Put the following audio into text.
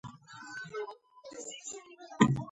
მდინარეზე არის წყალსატევები და წყალსაცავები.